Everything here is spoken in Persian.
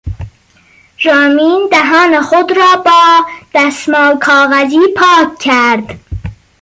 رامین دهان خود را با دستمال کاغذی پاک کرد.